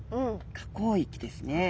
河口域ですね。